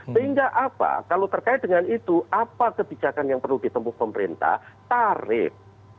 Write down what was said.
sehingga apa kalau terkait dengan itu apa kebijakan yang perlu ditempuh pemerintah tarif